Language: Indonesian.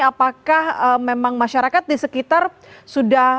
apakah memang masyarakat di sekitar sudah